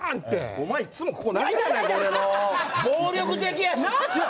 お前いっつもここ殴るやないか、暴力的やな。